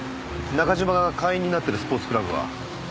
中嶋が会員になってるスポーツクラブは。